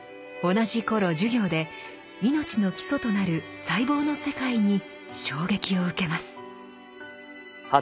同じ頃授業で命の基礎となる細胞の世界に衝撃を受けます。